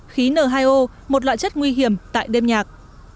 khí n hai o một loại chất nguy hiểm tại đêm nhạc